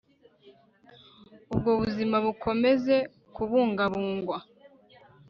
ubwo buzima bukomeze kubungabungwa